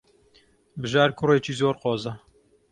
بژار کوڕێکی زۆر قۆزە.